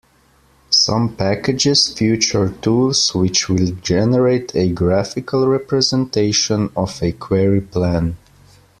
Some packages feature tools which will generate a graphical representation of a query plan.